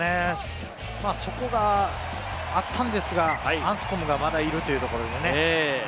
そこがあったんですが、アンスコムがまだ、いるというところでね。